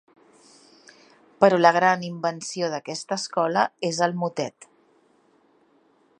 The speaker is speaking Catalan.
Però la gran invenció d'aquesta escola és el motet.